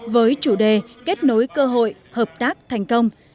với chủ đề kết nối cơ hội hợp tác thành công